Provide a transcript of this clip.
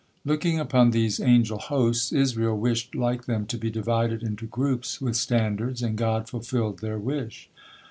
Looking upon these angel hosts, Israel wished like them to be divided into groups with standards, and God fulfilled their wish.